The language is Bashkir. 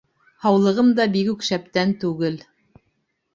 Һаулығым да бигүк шәптән түгел.